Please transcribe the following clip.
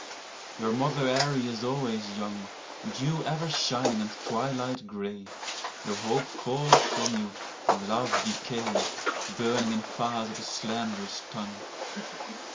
Your mother Erie is always young, Dew ever shining and twilight gray; Though hope fall from you and love decay. Burning in fires of a slanderous tongue.